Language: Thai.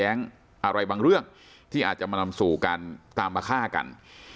อะไรบางเรื่องที่อาจจะมานำสู่การตามมาฆ่ากัน